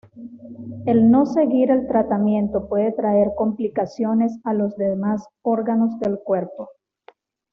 El no seguir el tratamiento puede traer complicaciones a los demás órganos del cuerpo.